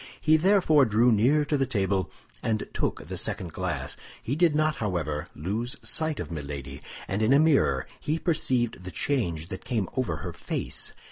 He therefore drew near to the table and took the second glass. He did not, however, lose sight of Milady, and in a mirror he perceived the change that came over her face.